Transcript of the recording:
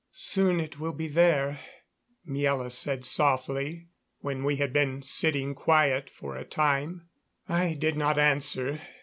"Soon it will be there," Miela said softly, when we had been sitting quiet for a time. I did not answer.